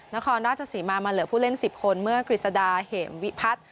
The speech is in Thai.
นครราชศรีมามาเหลือผู้เล่น๑๐คนเมื่อกฤษดาเหมวิพัฒน์